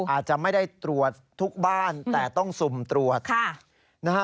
อาจจะไม่ได้ตรวจทุกบ้านแต่ต้องสุ่มตรวจนะฮะ